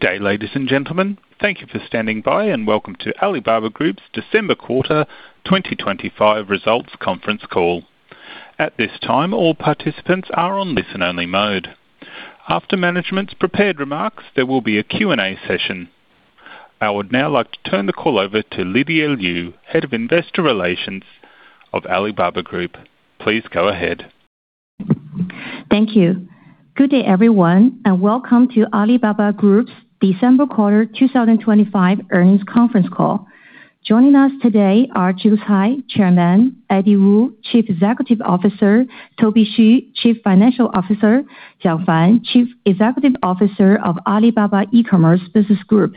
Good day, ladies and gentlemen. Thank you for standing by, and welcome to Alibaba Group's December Quarter 2025 Results Conference Call. At this time, all participants are on listen-only mode. After management's prepared remarks, there will be a Q&A session. I would now like to turn the call over to Lydia Liu, Head of Investor Relations of Alibaba Group. Please go ahead. Thank you. Good day, everyone, and welcome to Alibaba Group's December quarter 2025 earnings conference call. Joining us today are Joe Tsai, Chairman, Eddie Wu, Chief Executive Officer, Toby Xu, Chief Financial Officer, Jiang Fan, Chief Executive Officer of Alibaba E-commerce Business Group.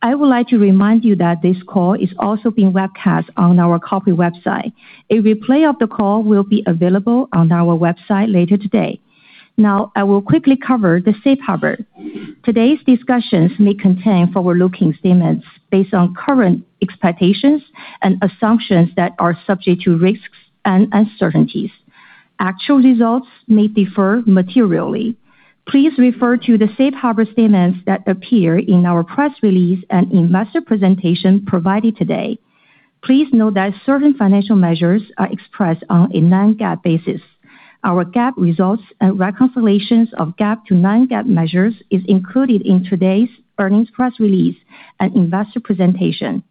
I would like to remind you that this call is also being webcast on our corporate website. A replay of the call will be available on our website later today. Now, I will quickly cover the Safe Harbor. Today's discussions may contain forward-looking statements based on current expectations and assumptions that are subject to risks and uncertainties. Actual results may differ materially. Please refer to the Safe Harbor statements that appear in our press release and investor presentation provided today. Please note that certain financial measures are expressed on a non-GAAP basis. Our GAAP results and reconciliations of GAAP to non-GAAP measures is included in today's earnings press release and investor presentation.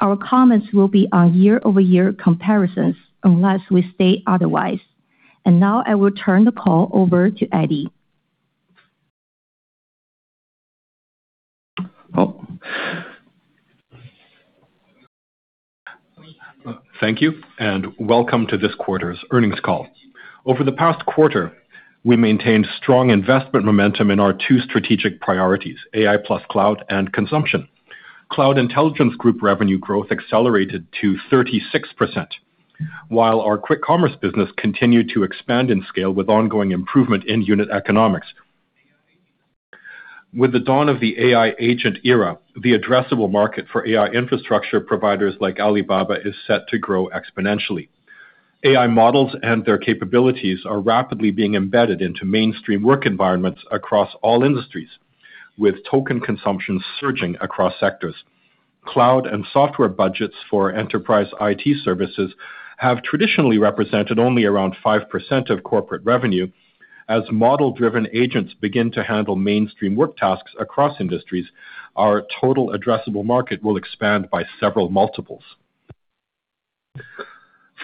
Our comments will be on year-over-year comparisons unless we state otherwise. Now I will turn the call over to Eddie. Oh. Thank you and welcome to this quarter's earnings call. Over the past quarter, we maintained strong investment momentum in our two strategic priorities, AI + Cloud and AI + Consumption. Cloud Intelligence Group revenue growth accelerated to 36%, while our Quick Commerce business continued to expand in scale with ongoing improvement in unit economics. With the dawn of the AI agent era, the addressable market for AI infrastructure providers like Alibaba is set to grow exponentially. AI models and their capabilities are rapidly being embedded into mainstream work environments across all industries, with token consumption surging across sectors. Cloud and software budgets for enterprise IT services have traditionally represented only around 5% of corporate revenue. As model-driven agents begin to handle mainstream work tasks across industries, our total addressable market will expand by several multiples.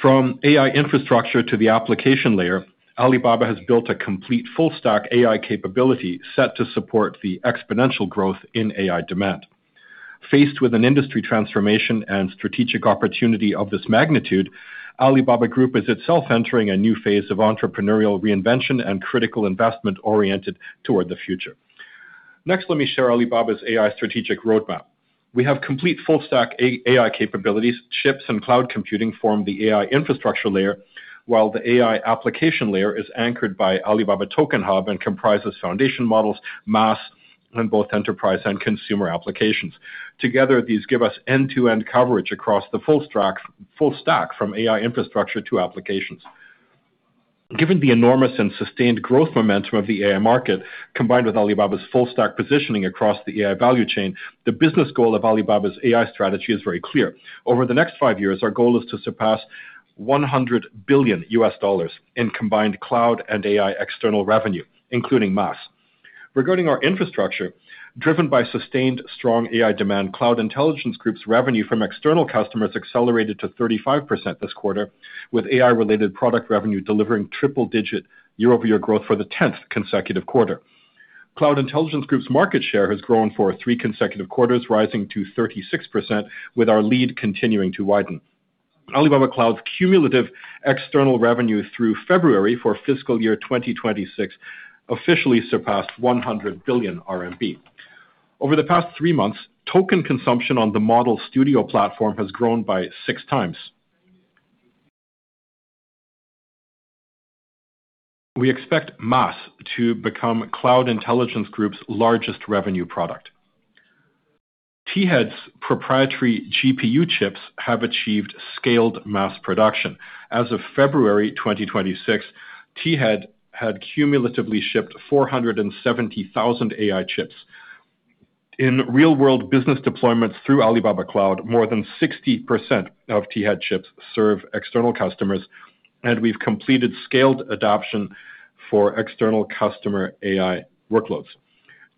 From AI infrastructure to the application layer, Alibaba has built a complete full stack AI capability set to support the exponential growth in AI demand. Faced with an industry transformation and strategic opportunity of this magnitude, Alibaba Group is itself entering a new phase of entrepreneurial reinvention and critical investment oriented toward the future. Next, let me share Alibaba's AI strategic roadmap. We have complete full stack AI capabilities. Chips and cloud computing form the AI infrastructure layer, while the AI application layer is anchored by Alibaba Token Hub and comprises foundation models, MaaS, and both enterprise and consumer applications. Together, these give us end-to-end coverage across the full stack from AI infrastructure to applications. Given the enormous and sustained growth momentum of the AI market, combined with Alibaba's full stack positioning across the AI value chain, the business goal of Alibaba's AI strategy is very clear. Over the next five years, our goal is to surpass $100 billion in combined cloud and AI external revenue, including MaaS. Regarding our infrastructure, driven by sustained strong AI demand, Cloud Intelligence Group's revenue from external customers accelerated to 35% this quarter, with AI-related product revenue delivering triple-digit year-over-year growth for the 10th consecutive quarter. Cloud Intelligence Group's market share has grown for three consecutive quarters, rising to 36%, with our lead continuing to widen. Alibaba Cloud's cumulative external revenue through February for fiscal year 2026 officially surpassed 100 billion RMB. Over the past three months, token consumption on the Model Studio platform has grown by 6x. We expect MaaS to become Cloud Intelligence Group's largest revenue product. T-Head's proprietary GPU chips have achieved scaled mass production. As of February 2026, T-Head had cumulatively shipped 470,000 AI chips. In real-world business deployments through Alibaba Cloud, more than 60% of T-Head chips serve external customers, and we've completed scaled adoption for external customer AI workloads.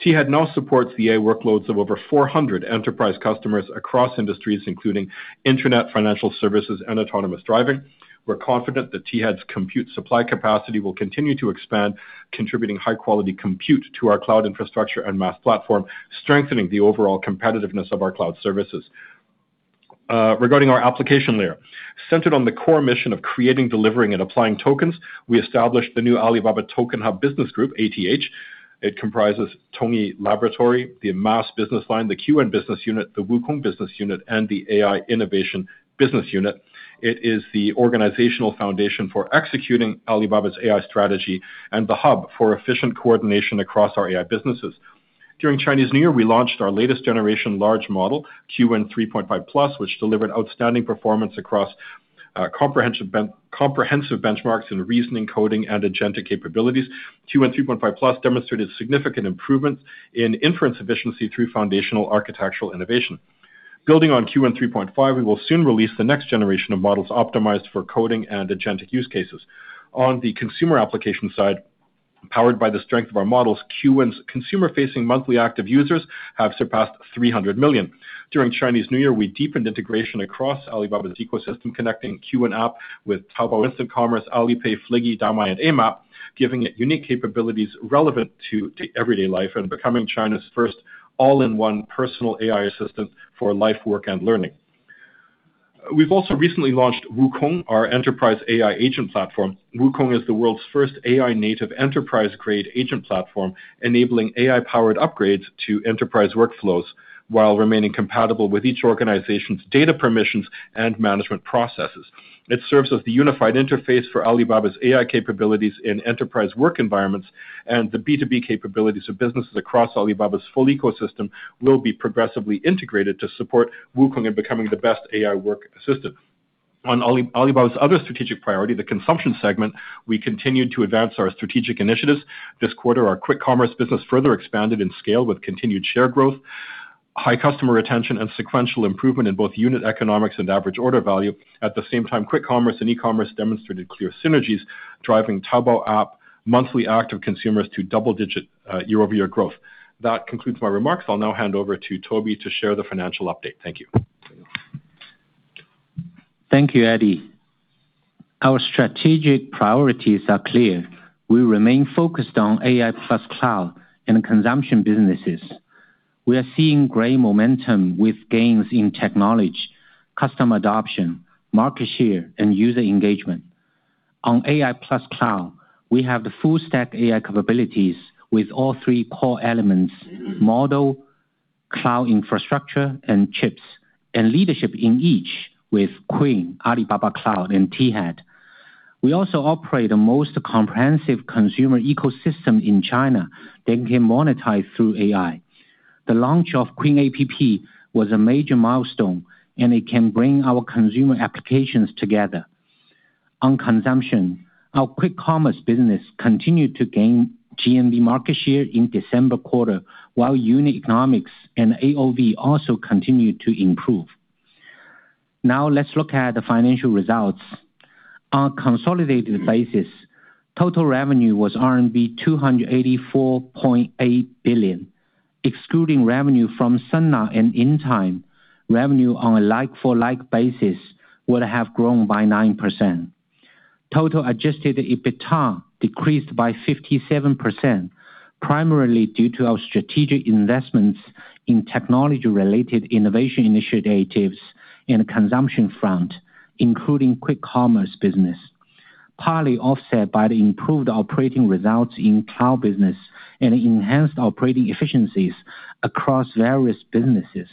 T-Head now supports the AI workloads of over 400 enterprise customers across industries, including internet, financial services and autonomous driving. We're confident that T-Head's compute supply capacity will continue to expand, contributing high quality compute to our cloud infrastructure and MaaS platform, strengthening the overall competitiveness of our cloud services. Regarding our application layer. Centered on the core mission of creating, delivering and applying tokens, we established the new Alibaba Token Hub business group, ATH. It comprises Tongyi Lab, the MaaS business line, the Qwen business unit, the Wukong business unit, and the AI innovation business unit. It is the organizational foundation for executing Alibaba's AI strategy and the hub for efficient coordination across our AI businesses. During Chinese New Year, we launched our latest generation large model, Qwen3.5-Plus, which delivered outstanding performance across comprehensive benchmarks in reasoning, coding, and agentic capabilities. Qwen3.5-Plus demonstrated significant improvements in inference efficiency through foundational architectural innovation. Building on Qwen3.5, we will soon release the next generation of models optimized for coding and agentic use cases. On the consumer application side, powered by the strength of our models, Qwen's consumer-facing monthly active users have surpassed 300 million. During Chinese New Year, we deepened integration across Alibaba's ecosystem, connecting Qwen App with Taobao instant commerce, Alipay, Fliggy, Damai and Amap, giving it unique capabilities relevant to everyday life and becoming China's first all-in-one personal AI assistant for life, work and learning. We've also recently launched Wukong, our enterprise AI agent platform. Wukong is the world's first AI native enterprise-grade agent platform, enabling AI powered upgrades to enterprise workflows while remaining compatible with each organization's data permissions and management processes. It serves as the unified interface for Alibaba's AI capabilities in enterprise work environments and the B2B capabilities of businesses across Alibaba's full ecosystem will be progressively integrated to support Wukong in becoming the best AI work assistant. On Alibaba's other strategic priority, the consumption segment, we continued to advance our strategic initiatives. This quarter, our Quick Commerce business further expanded and scaled with continued share growth, high customer retention and sequential improvement in both unit economics and average order value. At the same time, Quick Commerce and E-commerce demonstrated clear synergies, driving Taobao app monthly active consumers to double-digit year-over-year growth. That concludes my remarks. I'll now hand over to Toby to share the financial update. Thank you. Thank you, Eddie. Our strategic priorities are clear. We remain focused on AI + Cloud and AI + Consumption businesses. We are seeing great momentum with gains in technology, customer adoption, market share, and user engagement. On AI + Cloud, we have the full stack AI capabilities with all three core elements, model, cloud infrastructure, and chips, and leadership in each with Qwen, Alibaba Cloud and T-Head. We also operate the most comprehensive consumer ecosystem in China that can monetize through AI. The launch of Qwen App was a major milestone, and it can bring our consumer applications together. On consumption, our Quick Commerce business continued to gain GMV market share in December quarter, while unit economics and AOV also continued to improve. Now let's look at the financial results. On a consolidated basis, total revenue was RMB 284.8 billion. Excluding revenue from Sun Art and Intime, revenue on a like-for-like basis would have grown by 9%. Total Adjusted EBITDA decreased by 57%, primarily due to our strategic investments in technology-related innovation initiatives in the consumption front, including Quick Commerce business, partly offset by the improved operating results in cloud business and enhanced operating efficiencies across various businesses.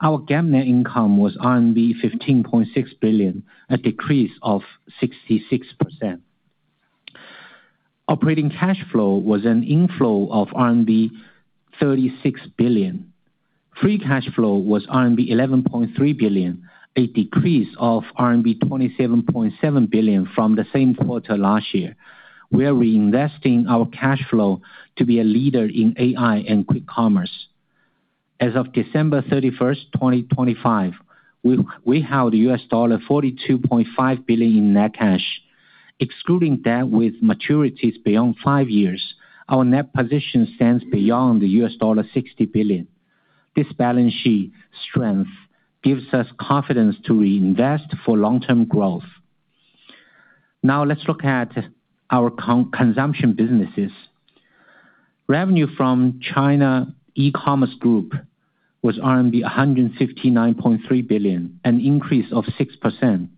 Our GAAP net income was RMB 15.6 billion, a decrease of 66%. Operating cash flow was an inflow of RMB 36 billion. Free cash flow was RMB 11.3 billion, a decrease of RMB 27.7 billion from the same quarter last year. We are reinvesting our cash flow to be a leader in AI and Quick Commerce. As of December thirty-first, 2025, we held $42.5 billion in net cash. Excluding debt with maturities beyond five years, our net position stands beyond $60 billion. This balance sheet strength gives us confidence to reinvest for long-term growth. Now let's look at our consumption businesses. Revenue from China E-commerce group was RMB 159.3 billion, an increase of 6%.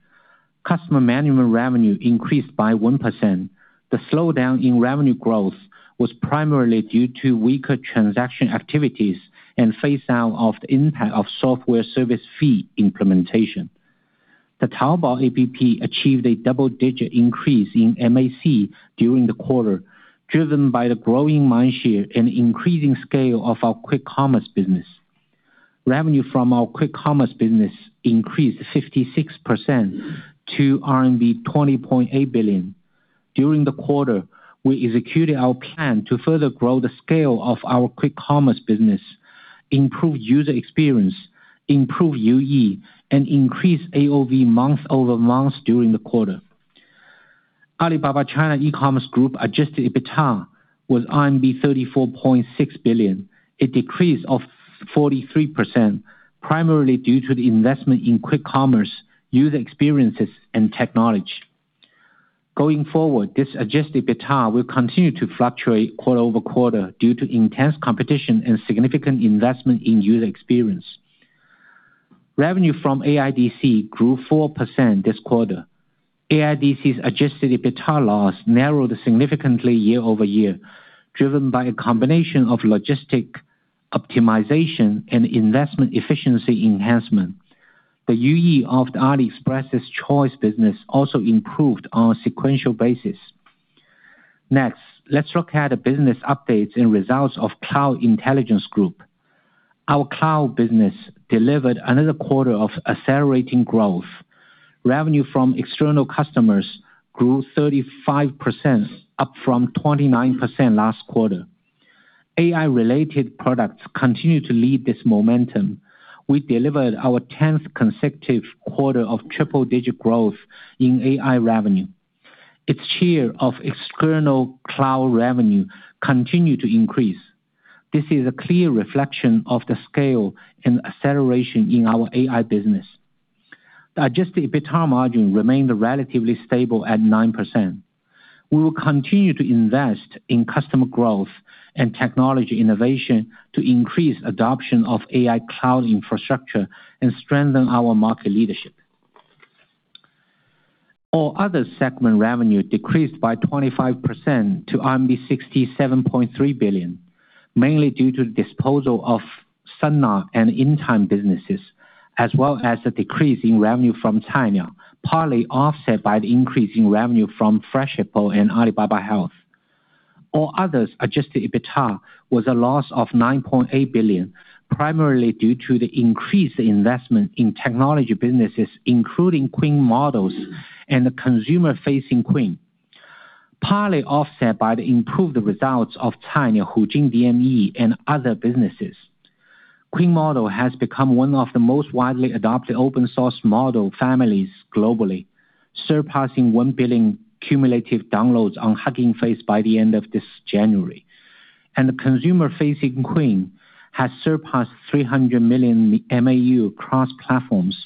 Customer management revenue increased by 1%. The slowdown in revenue growth was primarily due to weaker transaction activities and phase out of the impact of software service fee implementation. The Taobao app achieved a double-digit increase in MAC during the quarter, driven by the growing mind share and increasing scale of our Quick Commerce business. Revenue from our Quick Commerce business increased 56% to RMB 20.8 billion. During the quarter, we executed our plan to further grow the scale of our Quick Commerce business, improve user experience, improve UE and increase AOV month-over-month during the quarter. Alibaba China E-commerce Group Adjusted EBITDA was RMB 34.6 billion, a decrease of 43%, primarily due to the investment in Quick Commerce, user experiences and technology. Going forward, this Adjusted EBITDA will continue to fluctuate quarter-over-quarter due to intense competition and significant investment in user experience. Revenue from AIDC grew 4% this quarter. AIDC's adjusted EBITDA loss narrowed significantly year-over-year, driven by a combination of logistics optimization and investment efficiency enhancement. The UE of the AliExpress's Choice business also improved on a sequential basis. Next, let's look at the business updates and results of Cloud Intelligence Group. Our cloud business delivered another quarter of accelerating growth. Revenue from external customers grew 35%, up from 29% last quarter. AI-related products continued to lead this momentum. We delivered our 10th consecutive quarter of triple-digit growth in AI revenue. Its share of external cloud revenue continued to increase. This is a clear reflection of the scale and acceleration in our AI business. Adjusted EBITDA margin remained relatively stable at 9%. We will continue to invest in customer growth and technology innovation to increase adoption of AI cloud infrastructure and strengthen our market leadership. All Other segment revenue decreased by 25% to RMB 67.3 billion, mainly due to the disposal of Sun Art and Intime businesses, as well as the decrease in revenue from Cainiao, partly offset by the increase in revenue from Freshippo and Alibaba Health. All Others Adjusted EBITDA was a loss of 9.8 billion, primarily due to the increased investment in technology businesses including Qwen models and the consumer facing Qwen, partly offset by the improved results of Cainiao, Hema, Ele.me and other businesses. Qwen Model has become one of the most widely adopted open source model families globally, surpassing 1 billion cumulative downloads on Hugging Face by the end of this January. The consumer facing Qwen has surpassed 300 million MAU across platforms,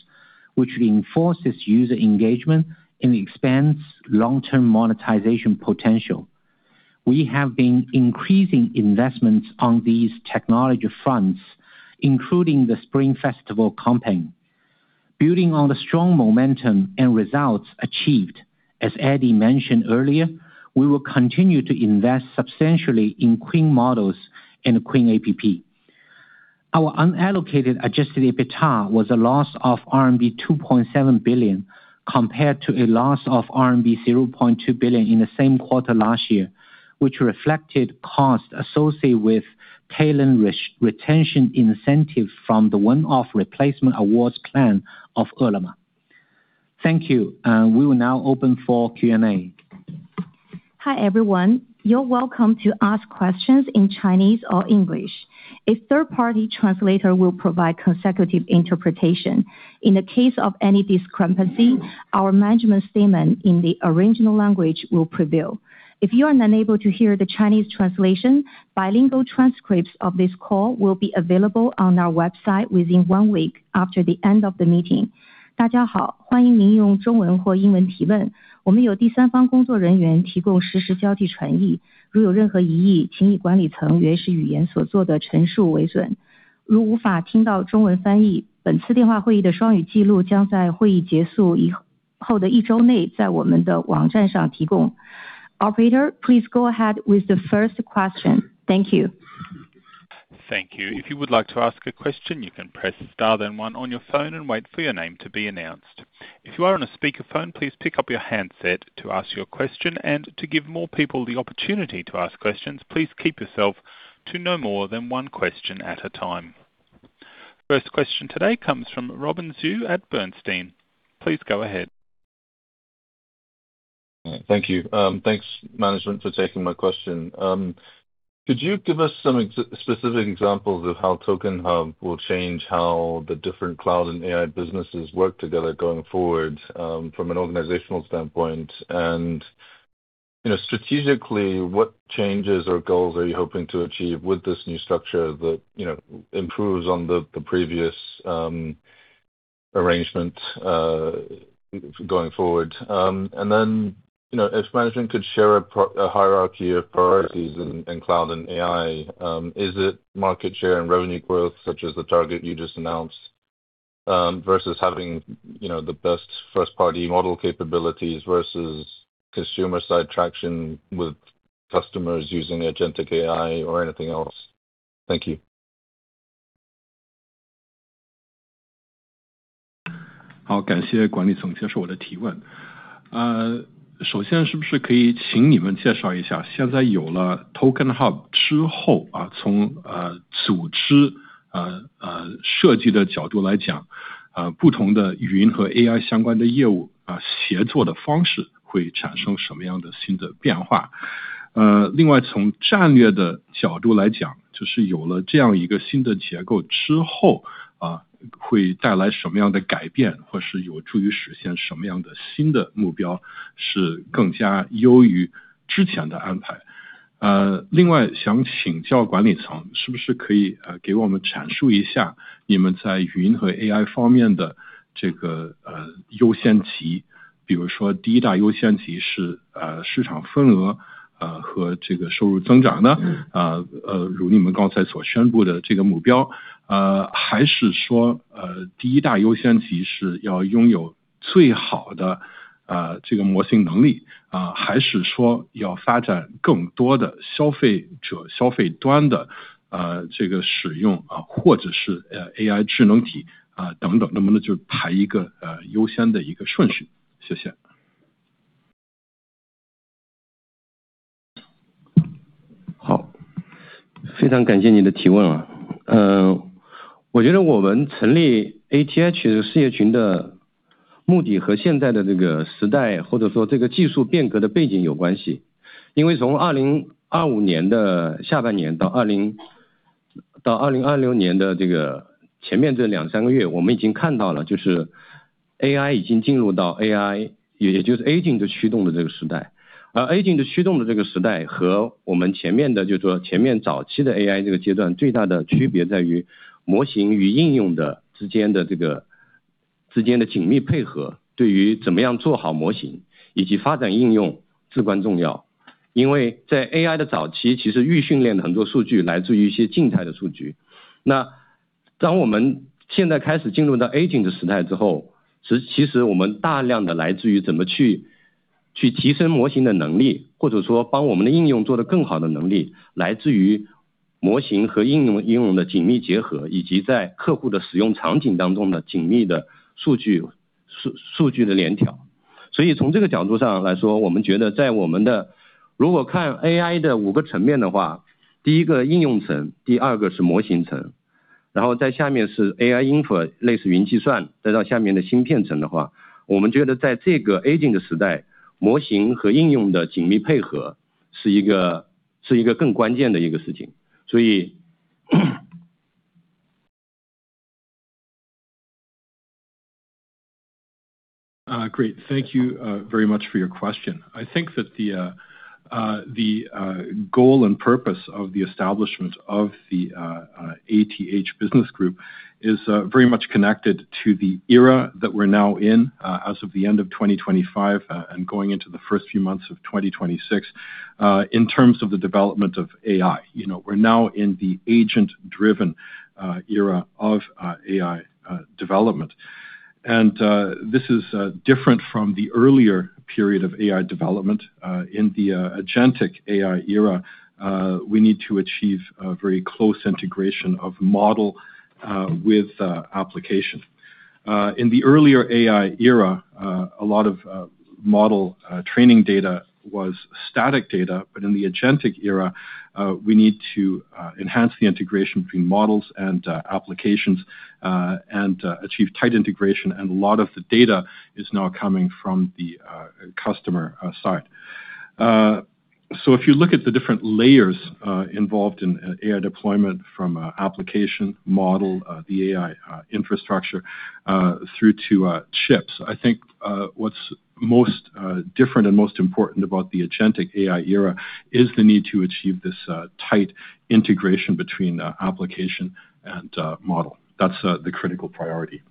which reinforces user engagement and expands long-term monetization potential. We have been increasing investments on these technology fronts, including the Spring Festival campaign. Building on the strong momentum and results achieved, as Eddie mentioned earlier, we will continue to invest substantially in Qwen models and Qwen App. Our unallocated Adjusted EBITDA was a loss of RMB 2.7 billion compared to a loss of RMB 0.2 billion in the same quarter last year, which reflected costs associated with talent retention incentive from the one-off replacement awards plan of Ele.me. Thank you. We will now open for Q&A. Hi everyone. You're welcome to ask questions in Chinese or English. A third party translator will provide consecutive interpretation. In the case of any discrepancy, our management statement in the original language will prevail. If you are unable to hear the Chinese translation, bilingual transcripts of this call will be available on our website within one week after the end of the meeting. Operator, please go ahead with the first question. Thank you. Thank you. If you would like to ask a question, you can press star then one on your phone and wait for your name to be announced. If you are on a speakerphone, please pick up your handset to ask your question. To give more people the opportunity to ask questions, please keep yourself to no more than one question at a time. First question today comes from Robin Zhu at Bernstein. Please go ahead. Thank you. Thanks management for taking my question. Could you give us some specific examples of how Token Hub will change how the different cloud and AI businesses work together going forward, from an organizational standpoint? You know, strategically, what changes or goals are you hoping to achieve with this new structure that, you know, improves on the previous arrangement going forward? You know, if management could share a hierarchy of priorities in cloud and AI, is it market share and revenue growth such as the target you just announced, versus having, you know, the best first party model capabilities versus consumer side traction with customers using agentic AI or anything else? Thank you. 好，感谢管理层接受我的提问。首先是不是可以请你们介绍一下，现在有了Token Great, thank you very much for your question. I think that the goal and purpose of the establishment of the ATH business group is very much connected to the era that we're now in as of the end of 2025 and going into the first few months of 2026 in terms of the development of AI. You know we're now in the agent-driven era of AI development. This is different from the earlier period of AI development in the agentic AI era. We need to achieve a very close integration of model with application. In the earlier AI era, a lot of model training data was static data, but in the agentic era, we need to enhance the integration between models and applications, and achieve tight integration. A lot of the data is now coming from the customer side. If you look at the different layers involved in AI deployment from application, model, the AI infrastructure, through to chips, I think what's most different and most important about the agentic AI era is the need to achieve this tight integration between the application and model. That's the critical priority.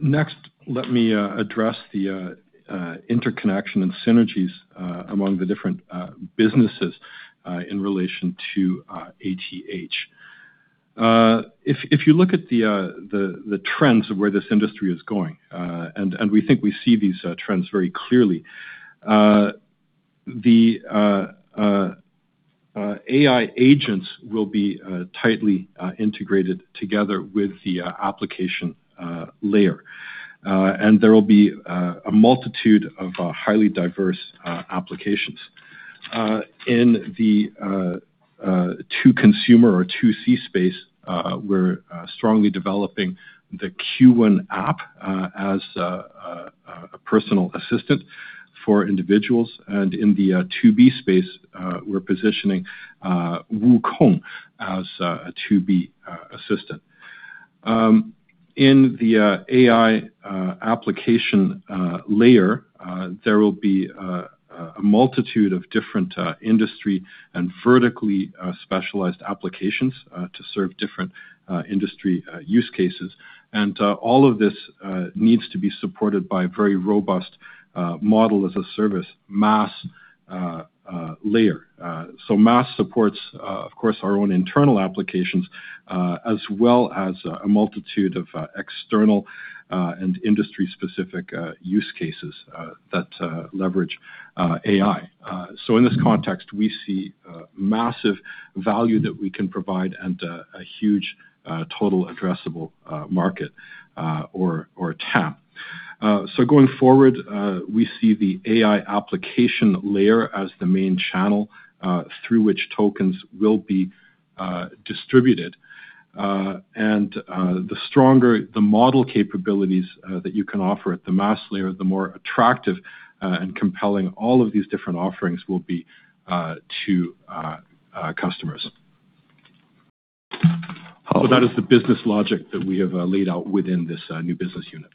Next, let me address the interconnection and synergies among the different businesses in relation to ATH. If you look at the trends of where this industry is going, and we think we see these trends very clearly, the AI agents will be tightly integrated together with the application layer. There will be a multitude of highly diverse applications. In the B2C space, we're strongly developing the Qwen app as a personal assistant for individuals. In the B2B space, we're positioning Wukong as a B2B assistant. In the AI application layer, there will be a multitude of different industry and vertically specialized applications to serve different industry use cases. All of this needs to be supported by a very robust model as a service MaaS layer. MaaS supports, of course, our own internal applications, as well as a multitude of external and industry specific use cases that leverage AI. In this context, we see massive value that we can provide and a huge total addressable market, or TAM. Going forward, we see the AI application layer as the main channel through which tokens will be distributed. The stronger the model capabilities that you can offer at the MaaS layer, the more attractive and compelling all of these different offerings will be to customers. That is the business logic that we have laid out within this new business unit.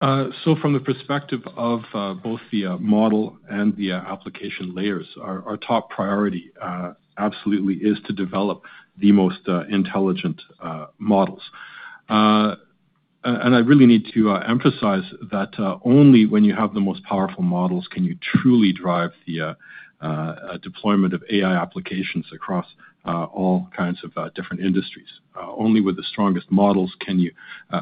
From the perspective of both the model and the application layers, our top priority absolutely is to develop the most intelligent models. I really need to emphasize that only when you have the most powerful models can you truly drive the deployment of AI applications across all kinds of different industries. Only with the strongest models can you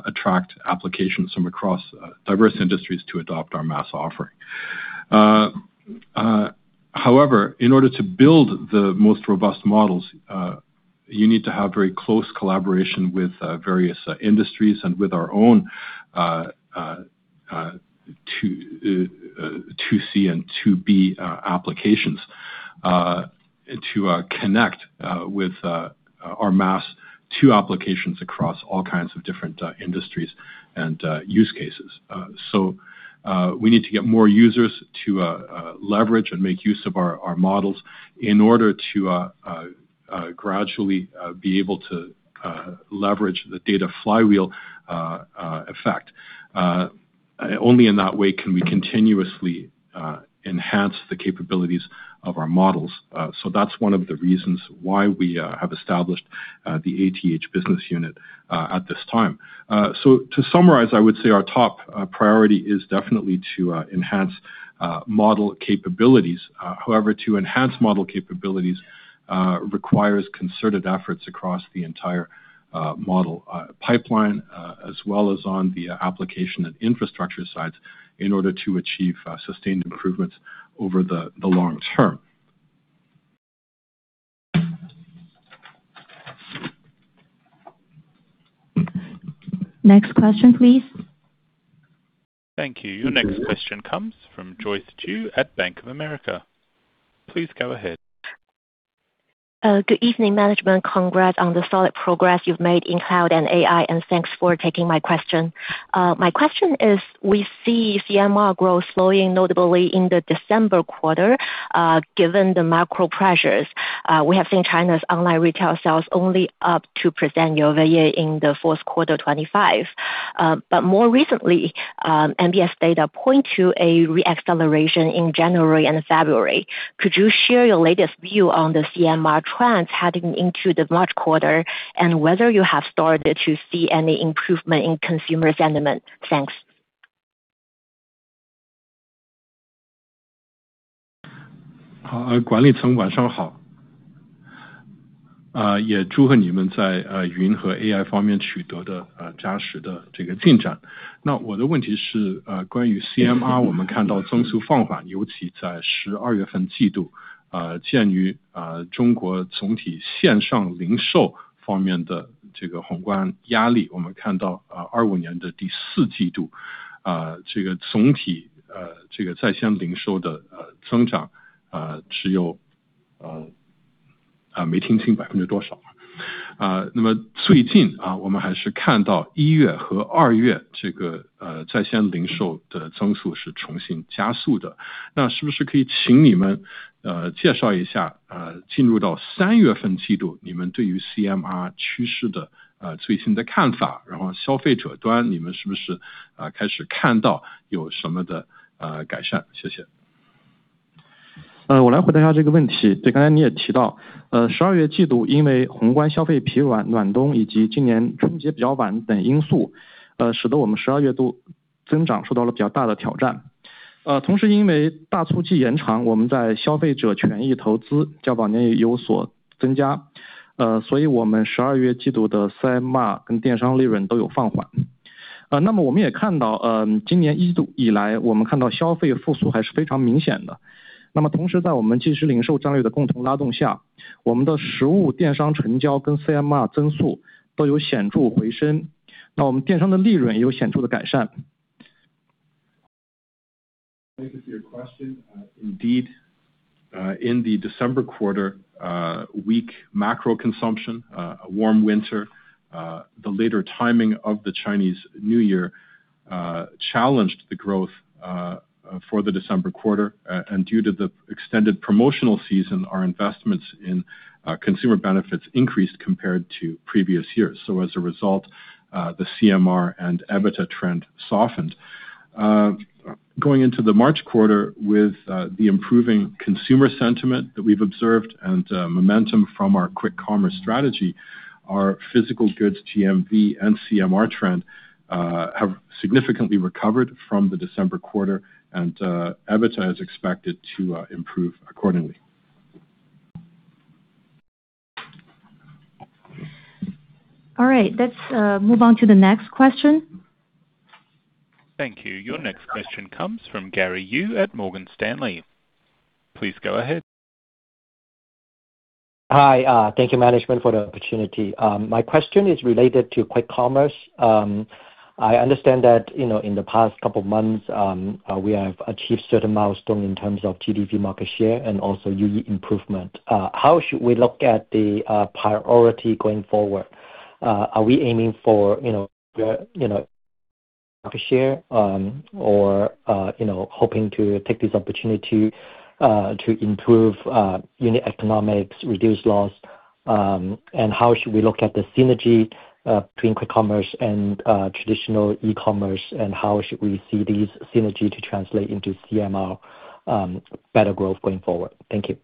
attract applications from across diverse industries to adopt our MaaS offering. However, in order to build the most robust models, you need to have very close collaboration with various industries and with our own to 2C and to 2B applications to connect with our MaaS to applications across all kinds of different industries and use cases. We need to get more users to leverage and make use of our models in order to gradually be able to leverage the data flywheel effect. Only in that way can we continuously enhance the capabilities of our models. That's one of the reasons why we have established the ATH business unit at this time. To summarize, I would say our top priority is definitely to enhance model capabilities. However, to enhance model capabilities requires concerted efforts across the entire model pipeline as well as on the application and infrastructure sides in order to achieve sustained improvements over the long term. Next question, please. Thank you. Your next question comes from Joyce Ju at Bank of America. Please go ahead. Good evening, management. Congrats on the solid progress you've made in cloud and AI, and thanks for taking my question. My question is. We see CMR growth slowing notably in the December quarter, given the macro pressures. We have seen China's online retail sales only up 2% year-over-year in the fourth quarter 2025. More recently, NBS data point to a re-acceleration in January and February. Could you share your latest view on the CMR trends heading into the March quarter and whether you have started to see any improvement in consumer sentiment? Thanks. 没听清百分之多少。那么最近我们还是看到一月和二月这个在线零售的增速是重新加速的，那是不是可以请你们介绍一下，进入到三月份季度，你们对于CMR趋势的最新的看法，然后消费者端你们是不是开始看到有什么的改善？谢谢。Thank you for your question. Indeed, in the December quarter, weak macro consumption, warm winter, the later timing of the Chinese New Year, challenged the growth for the December quarter. Due to the extended promotional season, our investments in consumer benefits increased compared to previous years. As a result, the CMR and EBITDA trend softened. Going into the March quarter with the improving consumer sentiment that we've observed and momentum from our Quick Commerce strategy, our physical goods GMV and CMR trend have significantly recovered from the December quarter and EBITDA is expected to improve accordingly. All right, let's move on to the next question. Thank you. Your next question comes from Gary Yu at Morgan Stanley. Please go ahead. Hi, thank you management for the opportunity. My question is related to Quick Commerce. I understand that, you know, in the past couple of months, we have achieved certain milestones in terms of GMV market share and also UE improvement. How should we look at the priority going forward? Are we aiming for, you know, share, or hoping to take this opportunity to improve unit economics, reduce loss, and how should we look at the synergy between Quick Commerce and traditional E-commerce, and how should we see these synergy to translate into CMR better growth going forward? Thank you.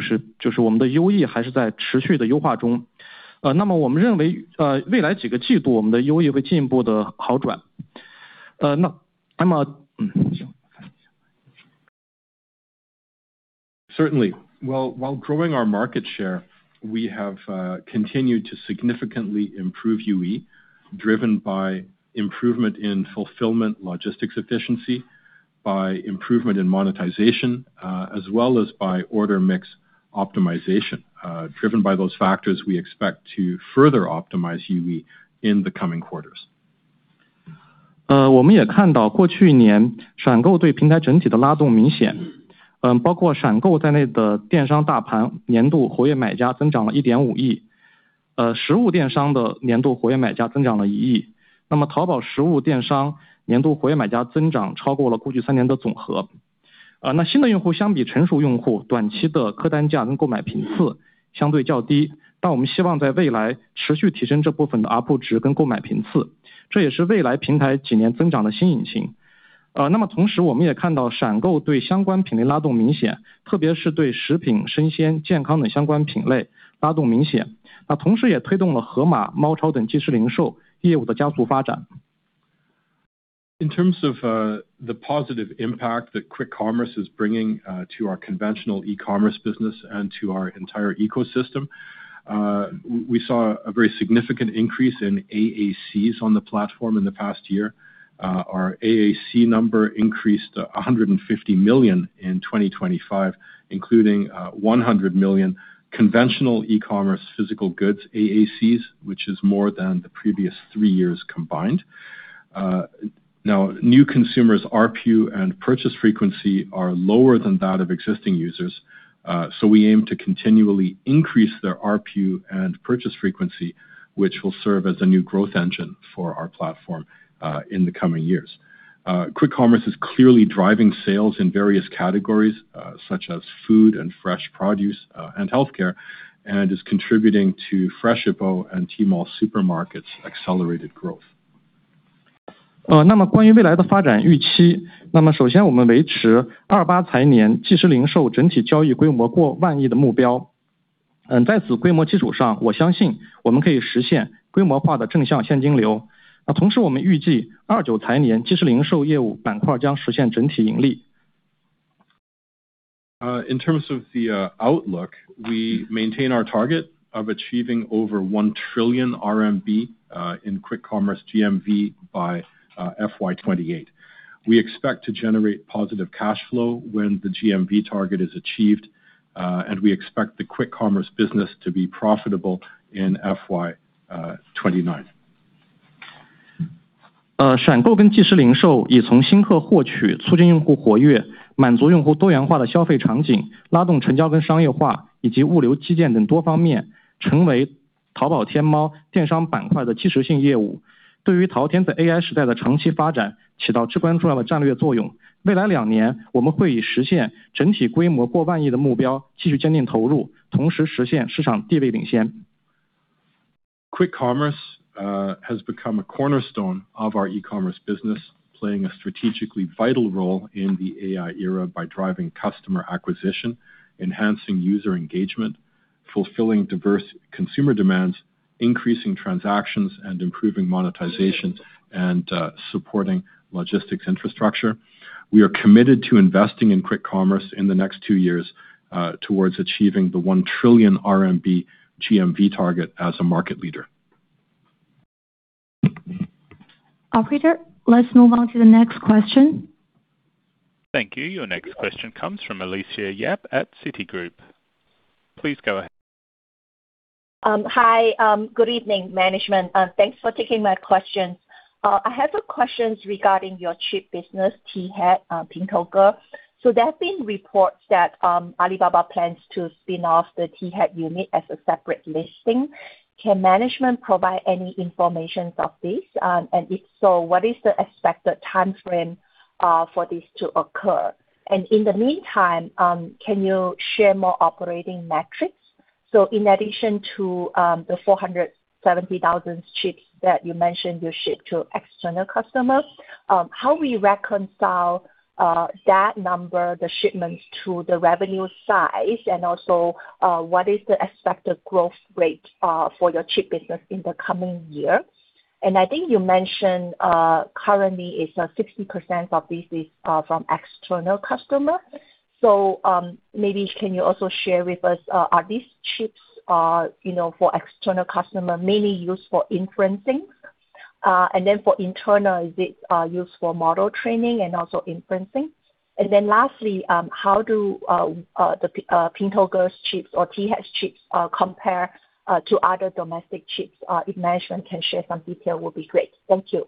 Certainly. Well, while growing our market share, we have continued to significantly improve UE, driven by improvement in fulfillment, logistics efficiency, by improvement in monetization, as well as by order mix optimization. Driven by those factors, we expect to further optimize UE in the coming quarters. In terms of the positive impact that Quick Commerce is bringing to our conventional E-commerce business and to our entire ecosystem, we saw a very significant increase in AACs on the platform in the past year. Our AAC number increased 150 million in 2025, including 100 million conventional E-commerce physical goods AACs, which is more than the previous three years combined. Now new consumers ARPU and purchase frequency are lower than that of existing users, so we aim to continually increase their ARPU and purchase frequency, which will serve as a new growth engine for our platform in the coming years. Quick Commerce is clearly driving sales in various categories such as food and fresh produce and healthcare, and is contributing to Freshippo and Tmall Supermarket's accelerated growth. 关于未来的发展预期，首先我们维持FY28即时零售整体交易规模过万亿的目标。在此规模基础上，我相信我们可以实现规模化的正向现金流。同时我们预计FY29即时零售业务板块将实现整体盈利。In terms of the outlook, we maintain our target of achieving over 1 trillion RMB in Quick Commerce GMV by FY 2028. We expect to generate positive cash flow when the GMV target is achieved, and we expect the Quick Commerce business to be profitable in FY 2029. 闪购跟即时零售已从新客获取、促进用户活跃、满足用户多元化的消费场景、拉动成交跟商业化，以及物流基建等多方面，成为淘宝、天猫电商板块的基石性业务，对于淘天在AI时代的长期发展起到至关重要的战略作用。未来两年，我们会以实现整体规模过万亿的目标，继续坚定投入，同时实现市场地位领先。Quick Commerce has become a cornerstone of our E-commerce business, playing a strategically vital role in the AI era by driving customer acquisition, enhancing user engagement, fulfilling diverse consumer demands, increasing transactions, and improving monetization and supporting logistics infrastructure. We are committed to investing in Quick Commerce in the next two years towards achieving the 1 trillion RMB GMV target as a market leader. Operator, let's move on to the next question. Thank you. Your next question comes from Alicia Yap at Citigroup. Please go ahead. Hi. Good evening, management. Thanks for taking my question. I have a question regarding your chip business T-Head, Pingtouge. There have been reports that Alibaba plans to spin off the T-Head unit as a separate listing. Can management provide any information of this? If so, what is the expected time frame for this to occur? In the meantime, can you share more operating metrics? In addition to the 470,000 chips that you mentioned you ship to external customers, how do we reconcile that number, the shipments to the revenue size? Also, what is the expected growth rate for your chip business in the coming year? I think you mentioned currently 60% of this is from external customers. Maybe can you also share with us, are these chips, you know, for external customers mainly used for inferencing? For internal, is it used for model training and also inferencing? Lastly, how do Pingtouge's chips or T-Head's chips compare to other domestic chips? If management can share some details, it will be great. Thank you.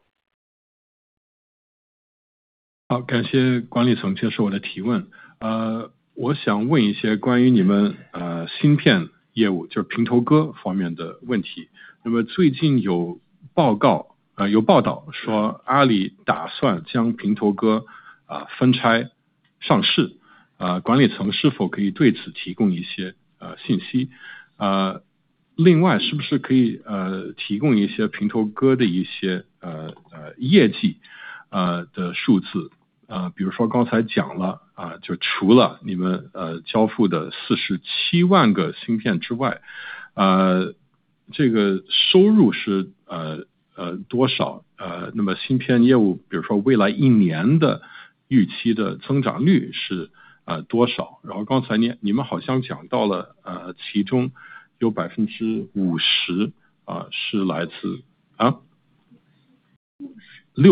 感谢管理层接受我的提问。我想问一些关于芯片业务，就是平头哥方面的问题。最近有报道说阿里打算将平头哥分拆上市，管理层是否可以对此提供一些信息？另外是不是可以提供一些平头哥的业绩数字？比如说刚才讲了，就除了你们交付的47万个芯片之外，这个收入是多少？那么芯片业务比如说未来一年的预期的增长率是多少？然后刚才你们好像讲到了，其中有50%是来自…… 60%，60%是来自外部客户的？ 需求，那是不是也可以展开介绍一下这些芯片，就提供给外部客户的芯片主要是用于推理吗？那如果是内部使用的话，是用于模型的训练，还是用在其他的方面？另外平头哥的这个芯片相比较其他的国产芯片，是怎么样的一个比较，能不能展开介绍一些细节？谢谢。好，谢谢，谢谢。非常感谢你这个问题。平头哥是阿里巴巴全站AI布局的重要一环，我也想趁此机会详细介绍一下。在当前的国内的AI芯片生态中，我们觉得平头哥的技术能力和产品能力都处于第一梯队。我们的产品覆盖从训练、微调到推理的完整AI工作流。我们的平头哥的AI芯片已经通过阿里云在训练场景、百炼的推理场景深度大规模地使用。同时在阿里云的公共云和混合云产品中，我们也有60%以上的平头哥的芯片在被外部的商业化客户使用。外部的商业化客户涵盖互联网、金融、智能驾驶和智能制造多个行业。这些外部的商业化客户在用平头哥的芯片当中，在用他们的训练和推理场景都有使用。而且我们在平头哥的软件栈上具备与CUDA生态系统的一个良好的适配性，所以我们的客户在迁移他的系统，迁移他系统的项目过程当中，花的时间非常少。那另外一点，我觉得平头哥对于阿里巴巴而言，一个重要性除了是因为我们希望在国产芯片相对来说，比国外的芯片在各方面的制造制程啊，各方面的这个芯片的性能方面，与国外的芯片有一定落后的情况下，我们希望在与阿里巴巴的云的基础设施，以及通义千问的模型有更深度的协同设计，以提升更好的性价比。所以这个是我们做平头哥芯片的一个与外面的这些芯片公司不太一样的一个点。所以更多的是希望可以创造我们更高的一个AI能力的一个性价比，也可以成为我们今后百炼平台能够降低我们百炼平台推理成本的一个重要产品。那然后还有一个，除了在整体提升我们的整体的AI效率、降低成本之外，我觉得还有一个在现在中国的这个AI行业，一个特殊情况下，我觉得有一个对我们的一个重大价值，就是整个AI算力的供应保障。因为在现在我觉得未来三到五年，全球的AI算力都会处于一个非常紧缺的三到五年，尤其是在中国市场更会紧缺。那作为在中国市场唯一具备自研芯片能力的云计算公司，那平头哥对于阿里集团来说也会是至关重要。能够提供更多的AI算力的供给，将会帮助我们的云和AI业务，包括我们的MaaS业务获得一个更高的增长动能。Okay. Thank you very much for this question. I'd like to take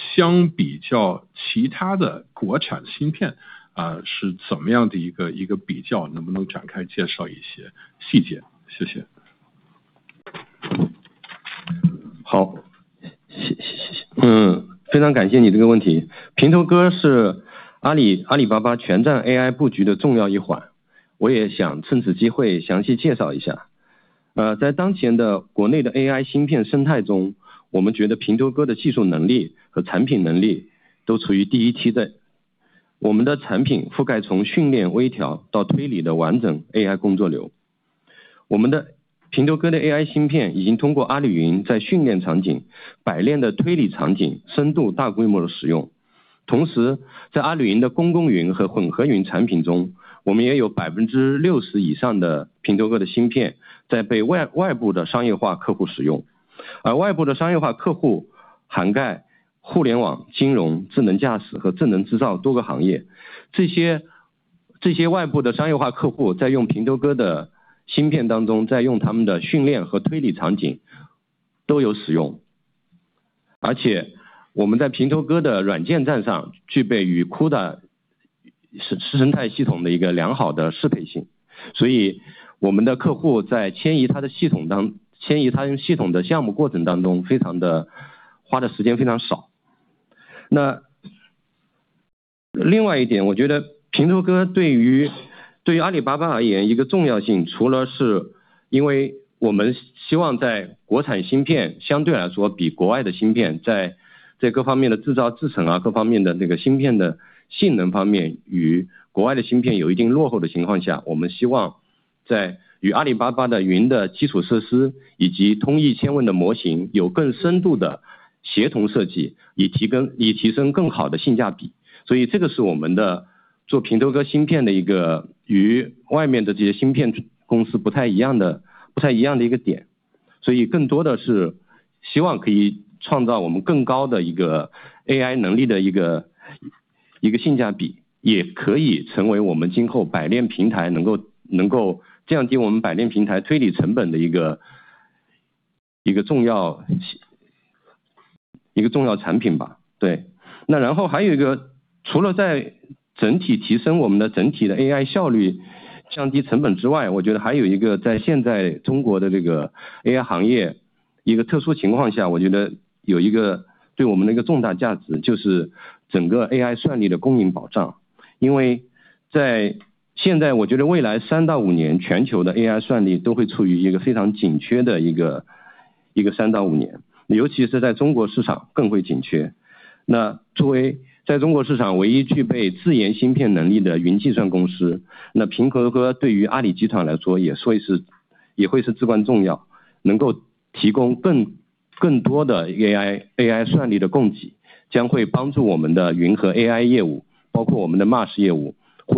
the opportunity to expand on this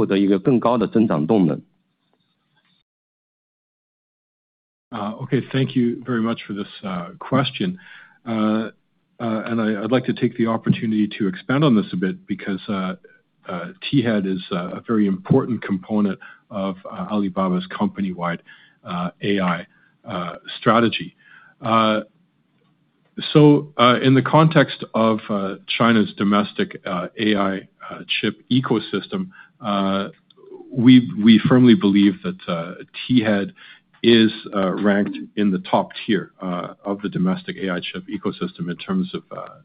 a bit because T-Head is a very important component of Alibaba's company-wide AI strategy. In the context of China's domestic AI chip ecosystem, we firmly believe that T-Head is ranked in the top tier of the domestic AI chip ecosystem in terms of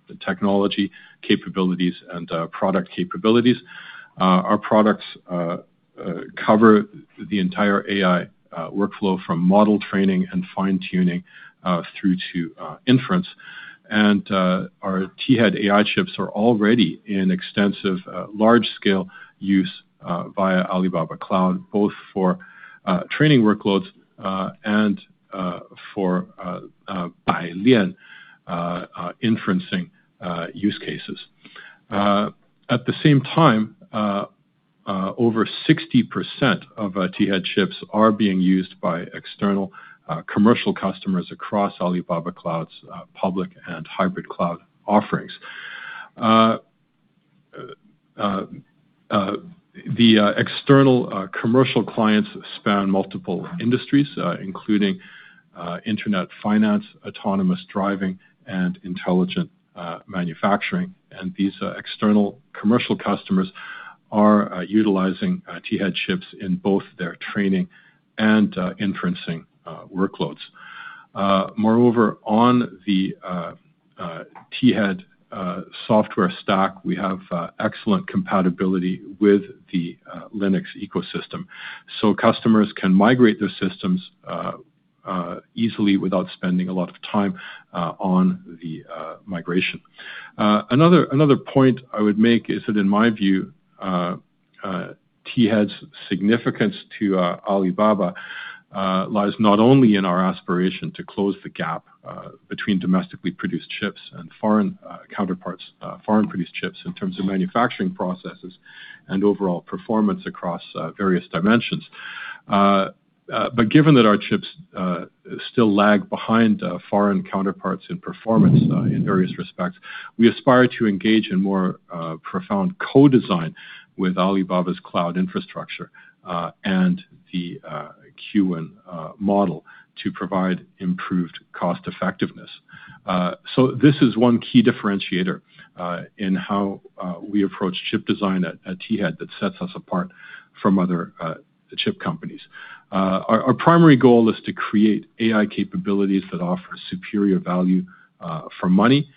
the technology capabilities and product capabilities. Our products cover the entire AI workflow from model training and fine tuning through to inference. Our T-Head AI chips are already in extensive, large-scale use via Alibaba Cloud, both for training workloads and for Bailian inferencing use cases. At the same time, over 60% of T-Head chips are being used by external commercial customers across Alibaba Cloud's public and hybrid cloud offerings. The external commercial clients span multiple industries, including internet finance, autonomous driving, and intelligent manufacturing. These external commercial customers are utilizing T-Head chips in both their training and inferencing workloads. Moreover, on the T-Head software stack, we have excellent compatibility with the Linux ecosystem, so customers can migrate their systems easily without spending a lot of time on the migration. Another point I would make is that in my view, T-Head's significance to Alibaba lies not only in our aspiration to close the gap between domestically produced chips and foreign counterparts, foreign produced chips in terms of manufacturing processes and overall performance across various dimensions. Given that our chips still lag behind foreign counterparts in performance in various respects, we aspire to engage in more profound co-design with Alibaba's cloud infrastructure and the Qwen model to provide improved cost effectiveness. This is one key differentiator in how we approach chip design at T-Head that sets us apart from other chip companies. Our primary goal is to create AI capabilities that offer superior value for money.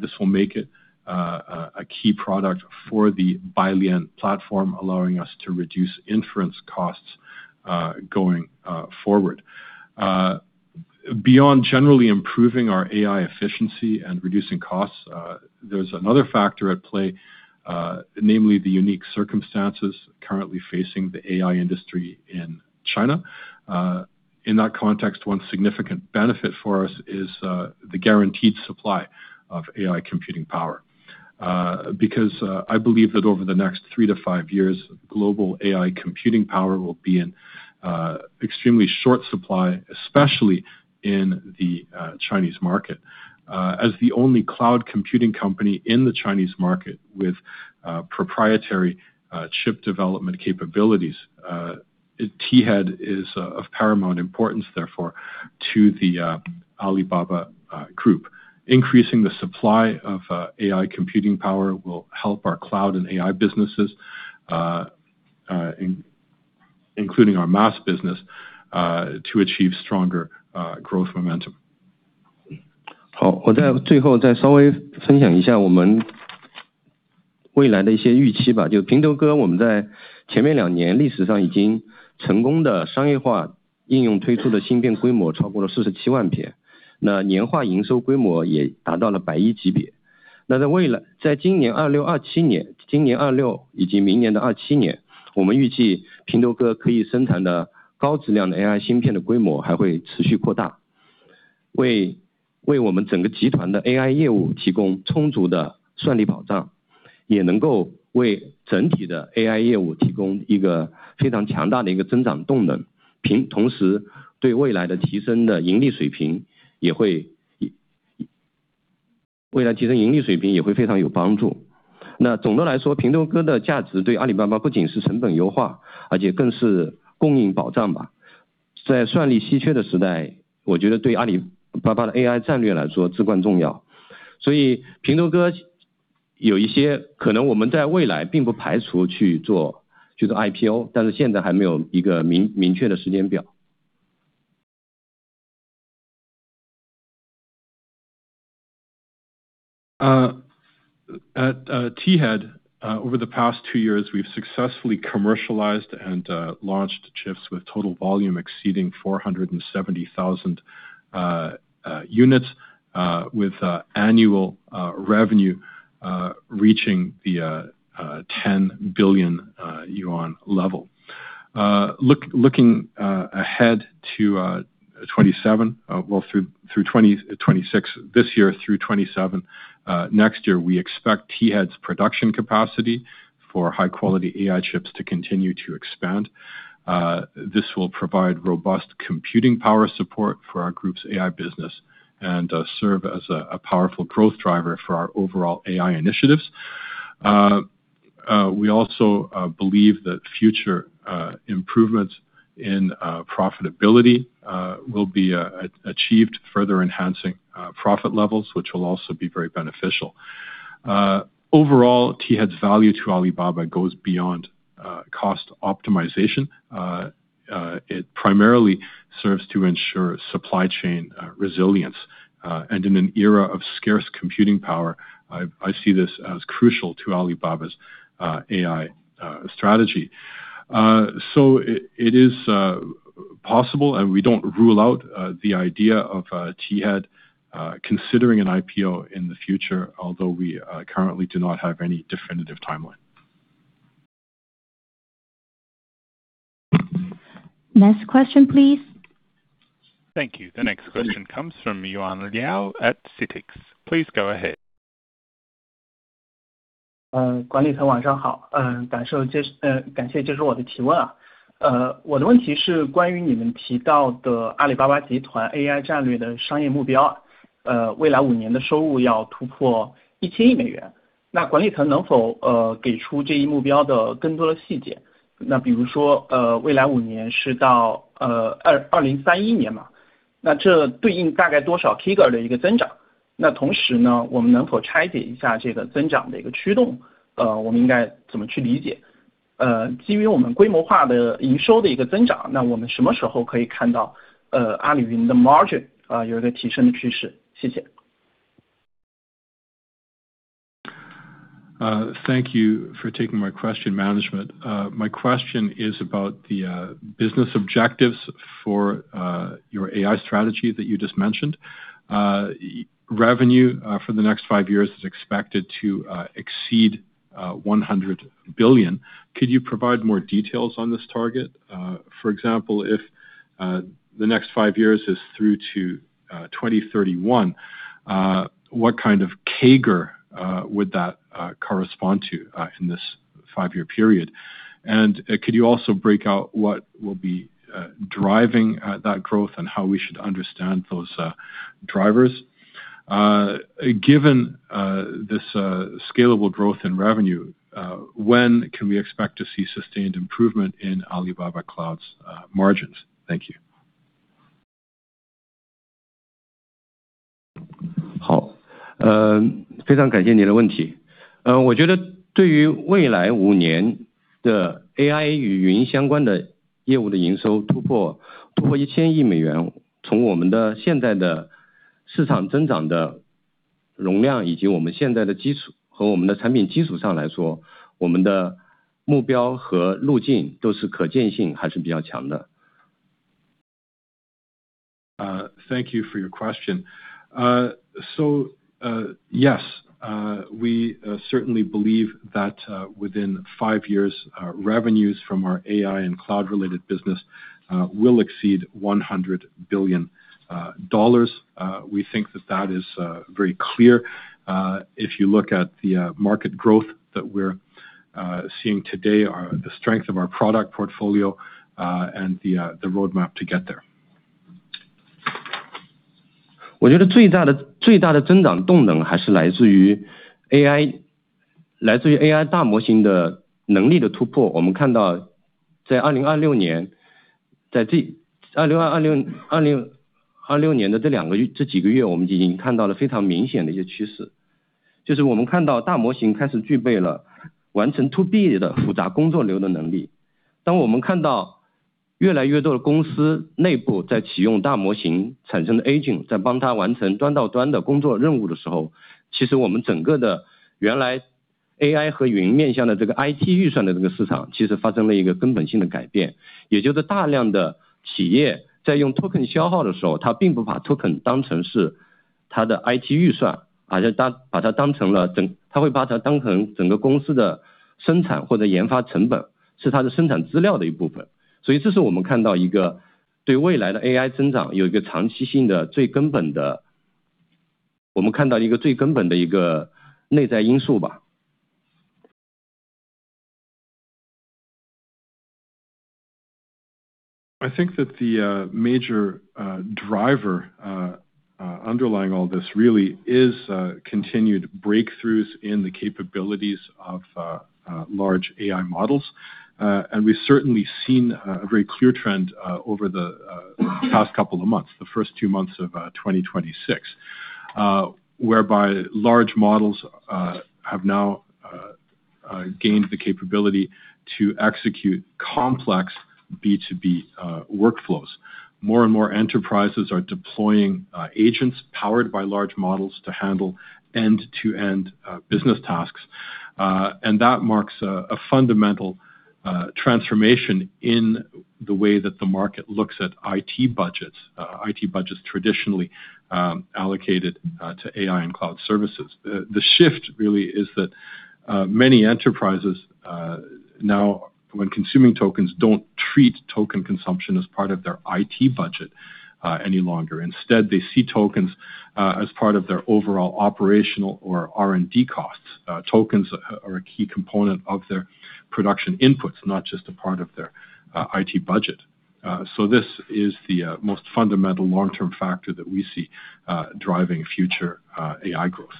This will make it a key product for the Bailian platform, allowing us to reduce inference costs going forward. Beyond generally improving our AI efficiency and reducing costs, there's another factor at play, namely the unique circumstances currently facing the AI industry in China. In that context, one significant benefit for us is the guaranteed supply of AI computing power. Because I believe that over the next three to five years, global AI computing power will be in extremely short supply, especially in the Chinese market. As the only cloud computing company in the Chinese market with proprietary chip development capabilities, T-Head is of paramount importance therefore to the Alibaba Group. Increasing the supply of AI computing power will help our cloud and AI businesses, including our MaaS business, to achieve stronger growth momentum. At T-Head, over the past two years, we've successfully commercialized and launched chips with total volume exceeding 470,000 units, with annual revenue reaching the 10 billion yuan level. Looking ahead to 2027, well through 2026, this year through 2027, next year, we expect T-Head's production capacity for high-quality AI chips to continue to expand. This will provide robust computing power support for our group's AI business and serve as a powerful growth driver for our overall AI initiatives. We also believe that future improvements in profitability will be achieved, further enhancing profit levels, which will also be very beneficial. Overall, T-Head's value to Alibaba goes beyond cost optimization. It primarily serves to ensure supply chain resilience. In an era of scarce computing power, I see this as crucial to Alibaba's AI strategy. It is possible and we don't rule out the idea of T-Head considering an IPO in the future, although we currently do not have any definitive timeline. Next question, please. Thank you. The next question comes from Yuan Liao at CITIC Securities. Please go ahead. Thank you for taking my question, management. My question is about the business objectives for your AI strategy that you just mentioned. Revenue for the next five years is expected to exceed 100 billion. Could you provide more details on this target? For example, if the next five years is through to 2031, what kind of CAGR would that correspond to in this five-year period? Could you also break out what will be driving that growth and how we should understand those drivers? Given this scalable growth in revenue, when can we expect to see sustained improvement in Alibaba Cloud's margins? Thank you. 好，非常感谢你的问题。我觉得对于未来五年的AI与云相关的业务的营收突破一千亿美元，从我们现在的市场增长的容量，以及我们现在的基础和我们的产品基础上来说，我们的目标和路径都是可见性还是比较强的。Thank you for your question. Yes, we certainly believe that within five years, revenues from our AI and cloud related business will exceed $100 billion. We think that is very clear. If you look at the market growth that we're seeing today and the strength of our product portfolio, and the roadmap to get there. 我们看到一个最根本的一个内在因素吧。I think that the major driver underlying all this really is continued breakthroughs in the capabilities of large AI models. We've certainly seen a very clear trend over the past couple of months, the first two months of 2026, whereby large models have now gained the capability to execute complex B2B workflows. More and more enterprises are deploying agents powered by large models to handle end-to-end business tasks. That marks a fundamental transformation in the way that the market looks at IT budgets. IT budgets traditionally allocated to AI and cloud services. The shift really is that many enterprises now, when consuming tokens, don't treat token consumption as part of their IT budget any longer. Instead, they see tokens as part of their overall operational or R&D costs. Tokens are a key component of their production inputs, not just a part of their IT budget. This is the most fundamental long-term factor that we see driving future AI growth.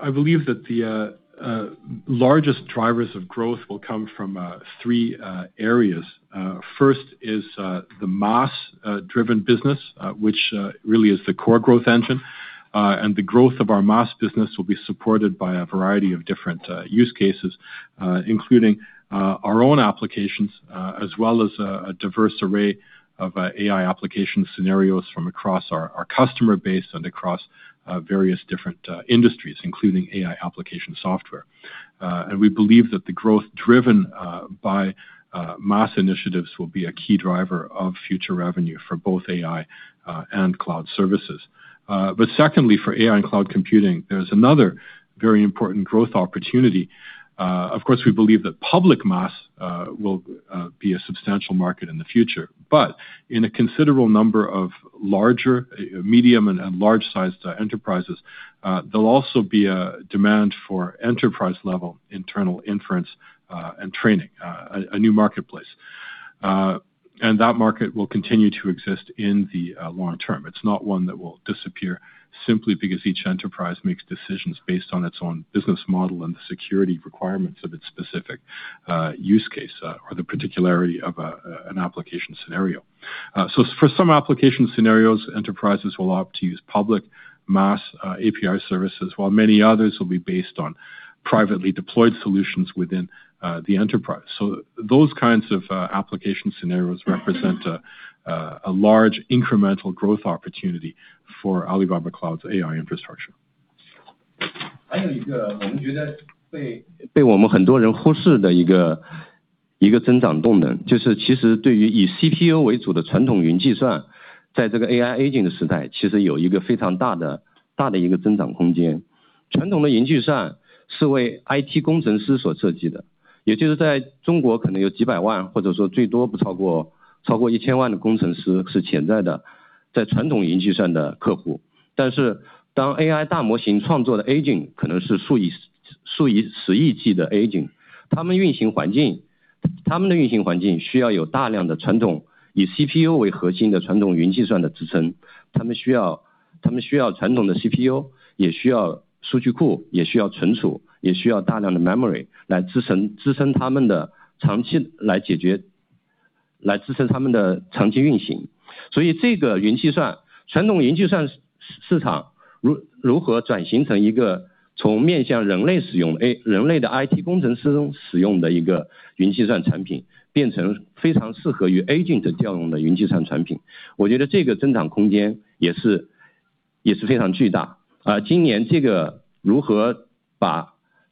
I believe that the largest drivers of growth will come from three areas. First is the MaaS driven business, which really is the core growth engine. The growth of our MaaS business will be supported by a variety of different use cases, including our own applications, as well as a diverse array of AI application scenarios from across our customer base and across various different industries, including AI application software. We believe that the growth driven by MaaS initiatives will be a key driver of future revenue for both AI and cloud services. Secondly, for AI and cloud computing, there's another very important growth opportunity. Of course, we believe that public MaaS will be a substantial market in the future, but in a considerable number of larger medium and large-sized enterprises, there'll be a demand for enterprise-level internal inference and training, a new marketplace. That market will continue to exist in the long term. It's not one that will disappear simply because each enterprise makes decisions based on its own business model and the security requirements of its specific use case or the particularity of an application scenario. For some application scenarios, enterprises will opt to use public MaaS API services, while many others will be based on privately deployed solutions within the enterprise. Those kinds of application scenarios represent a large incremental growth opportunity for Alibaba Cloud's AI infrastructure.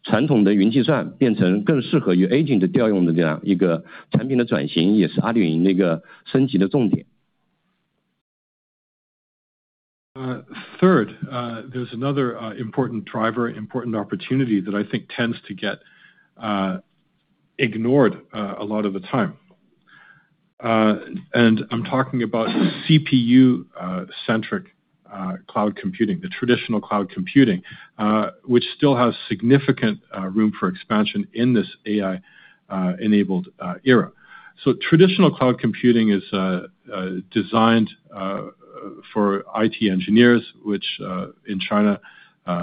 Third, there's another important driver, important opportunity that I think tends to get ignored a lot of the time. I'm talking about CPU centric cloud computing, the traditional cloud computing, which still has significant room for expansion in this AI enabled era. Traditional cloud computing is designed for IT engineers, which in China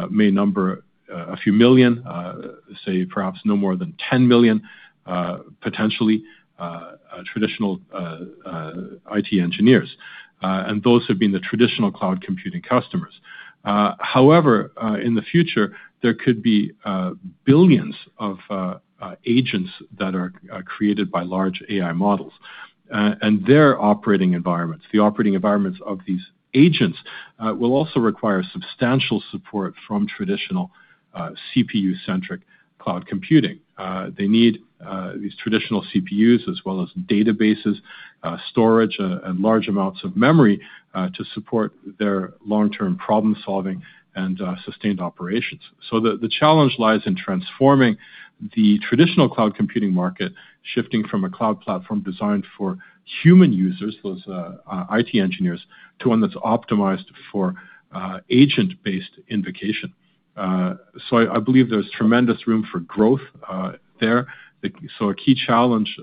may number a few million, say perhaps no more than 10 million, potentially traditional IT engineers. Those have been the traditional cloud computing customers. However, in the future, there could be billions of agents that are created by large AI models and their operating environments. The operating environments of these agents will also require substantial support from traditional CPU-centric cloud computing. They need these traditional CPUs as well as databases, storage, and large amounts of memory to support their long-term problem-solving and sustained operations. The challenge lies in transforming the traditional cloud computing market, shifting from a cloud platform designed for human users, those IT engineers, to one that's optimized for agent-based invocation. I believe there's tremendous room for growth there. A key challenge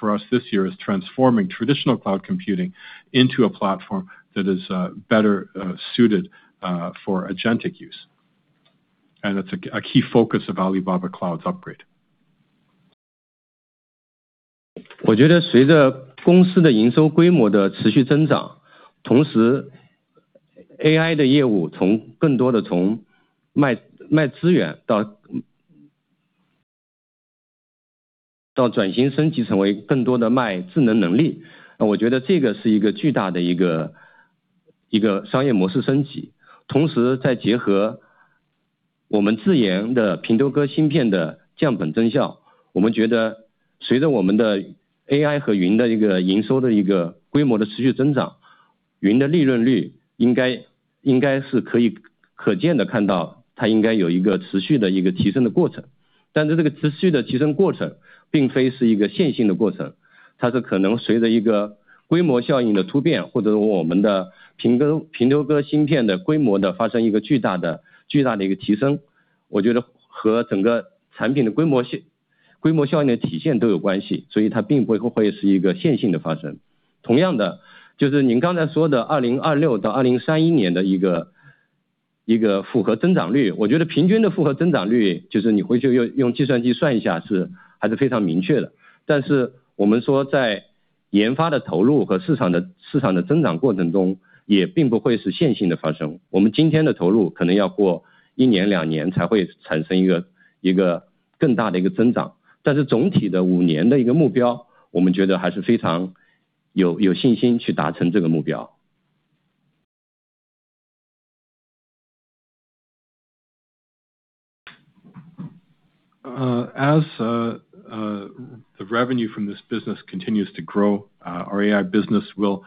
for us this year is transforming traditional cloud computing into a platform that is better suited for agentic use. That's a key focus of Alibaba Cloud's upgrade. As the revenue from this business continues to grow, our AI business will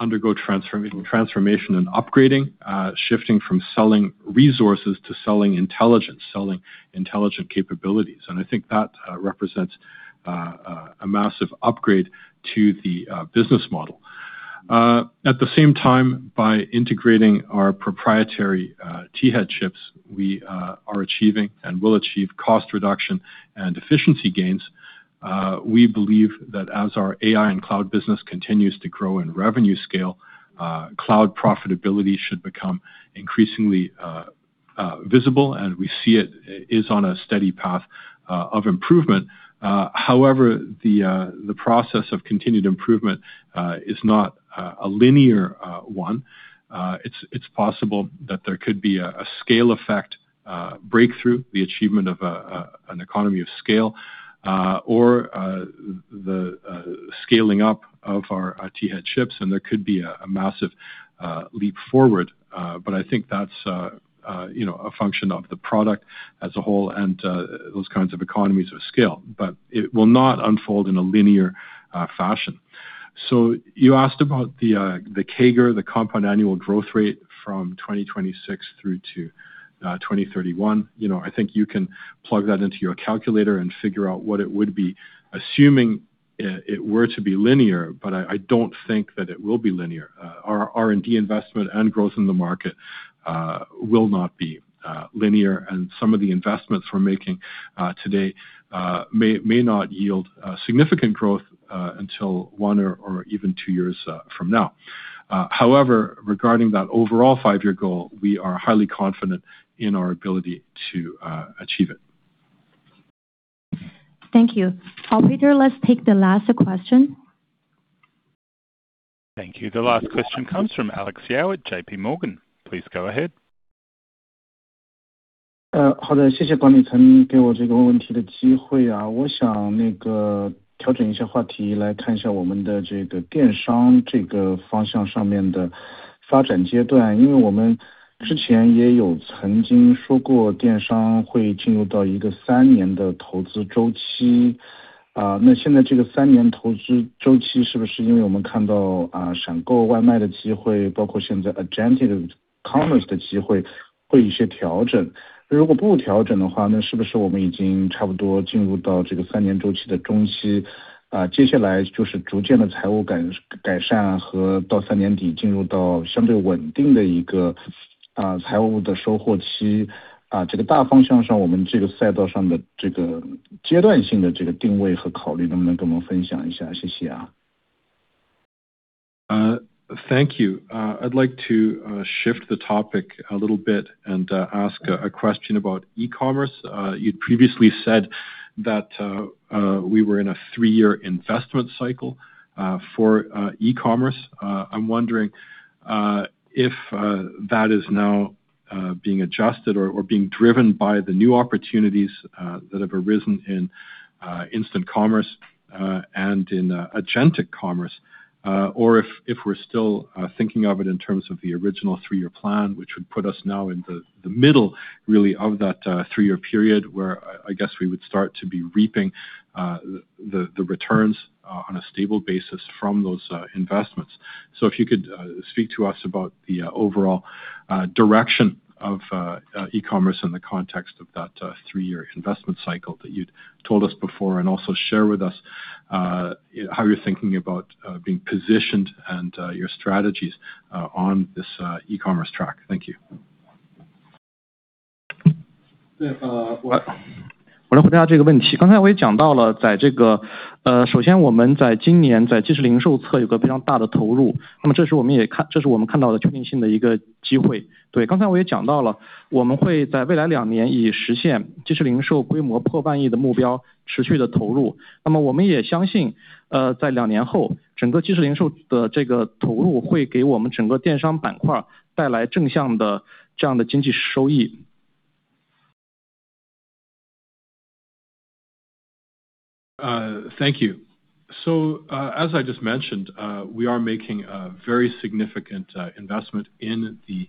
undergo transformation and upgrading, shifting from selling resources to selling intelligence, selling intelligent capabilities. I think that represents a massive upgrade to the business model. At the same time, by integrating our proprietary T-Head chips, we are achieving and will achieve cost reduction and efficiency gains. We believe that as our AI and cloud business continues to grow in revenue scale, cloud profitability should become increasingly visible and we see it is on a steady path of improvement. However, the process of continued improvement is not a linear one. It's possible that there could be a scale effect breakthrough, the achievement of an economy of scale, or the scaling up of our T-Head chips, and there could be a massive leap forward. I think that's you know, a function of the product as a whole and those kinds of economies of scale. It will not unfold in a linear fashion. You asked about the CAGR, the compound annual growth rate from 2026 through to 2031. You know, I think you can plug that into your calculator and figure out what it would be, assuming it were to be linear, but I don't think that it will be linear. Our R&D investment and growth in the market will not be linear. Some of the investments we're making today may not yield significant growth until one or even two years from now. However, regarding that overall five-year goal, we are highly confident in our ability to achieve it. Thank you. Operator, let's take the last question. Thank you. The last question comes from Alex Yao at JPMorgan. Please go ahead. Thank you. I'd like to shift the topic a little bit and ask a question about E-commerce. You'd previously said that we were in a three-year investment cycle for E-commerce. I'm wondering if that is now being adjusted or being driven by the new opportunities that have arisen in Instant Commerce and in Agentic Commerce. If we're still thinking of it in terms of the original three-year plan, which would put us now in the middle really of that three-year period, where I guess we would start to be reaping the returns on a stable basis from those investments. If you could speak to us about the overall direction of E-commerce in the context of that three-year investment cycle that you'd told us before, and also share with us how you're thinking about being positioned and your strategies on this E-commerce track. Thank you. Thank you. As I just mentioned, we are making a very significant investment in the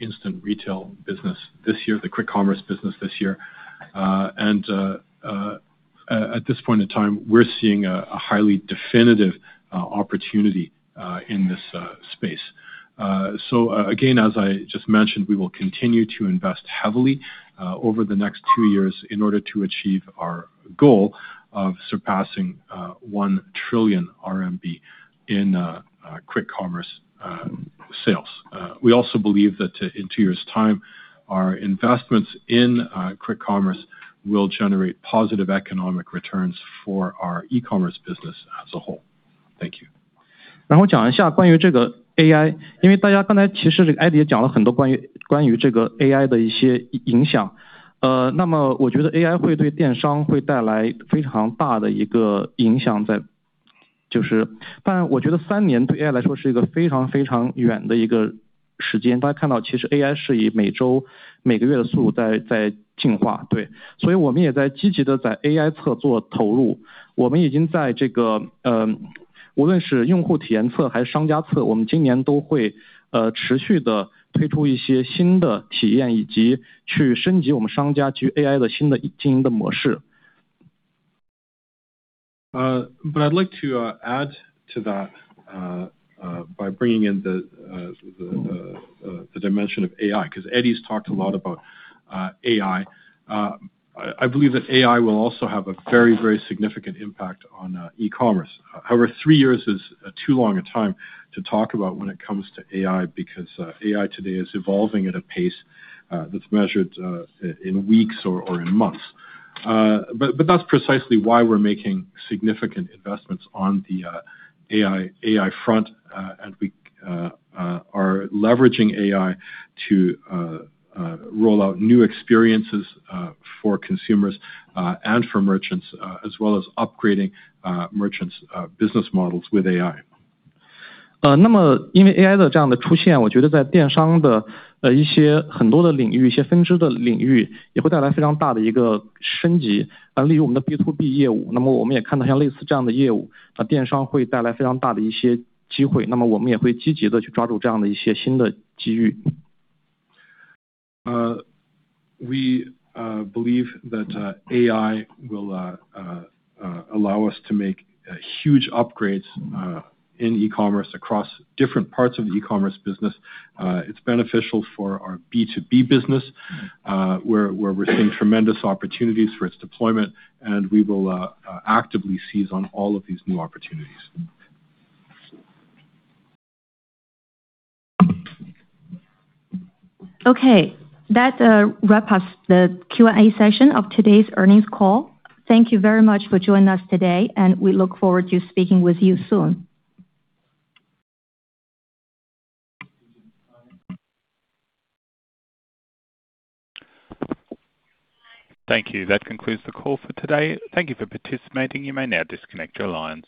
instant retail business this year, the Quick Commerce business this year. At this point in time, we're seeing a highly definitive opportunity in this space. Again, as I just mentioned, we will continue to invest heavily over the next two years in order to achieve our goal of surpassing 1 trillion RMB in Quick Commerce sales. We also believe that in two years' time, our investments in Quick Commerce will generate positive economic returns for our E-commerce business as a whole. Thank you. I'd like to add to that by bringing in the dimension of AI, 'cause Eddie's talked a lot about AI. I believe that AI will also have a very significant impact on E-commerce. However, three years is too long a time to talk about when it comes to AI because AI today is evolving at a pace that's measured in weeks or in months. That's precisely why we're making significant investments on the AI front. We are leveraging AI to roll out new experiences for consumers and for merchants as well as upgrading merchants' business models with AI. We believe that AI will allow us to make huge upgrades in E-commerce across different parts of the E-commerce business. It's beneficial for our B2B business where we're seeing tremendous opportunities for its deployment, and we will actively seize on all of these new opportunities. Okay. That wraps up the Q&A session of today's earnings call. Thank you very much for joining us today, and we look forward to speaking with you soon. Thank you. That concludes the call for today. Thank you for participating. You may now disconnect your lines.